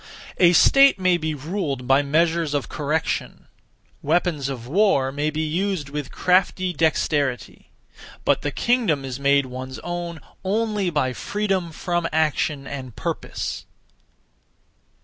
A state may be ruled by (measures of) correction; weapons of war may be used with crafty dexterity; (but) the kingdom is made one's own (only) by freedom from action and purpose.